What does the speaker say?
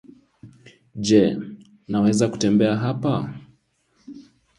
Je, naweza kutembea hapa?